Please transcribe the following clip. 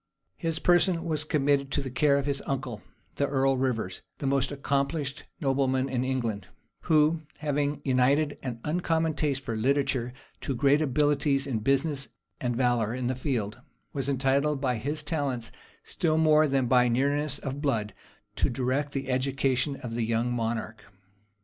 His person was committed to the care of his uncle, the earl of Rivers, the most accomplished nobleman in England, who, having united an uncommon taste for literature[*] to great abilities in business and valor in the field was entitled by his talents, still more than by nearness of blood, to direct the education of the young monarch.